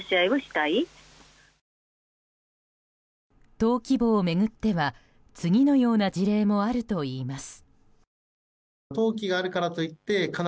登記簿を巡っては次のような事例もあるといいます。